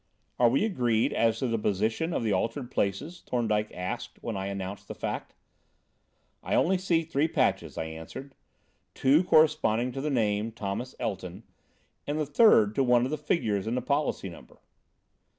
"Are we agreed as to the position of the altered places?" Thorndyke asked when I announced the fact. "I only see three patches," I answered. "Two correspond to the name, Thomas Elton, and the third to one of the figures in the policy number."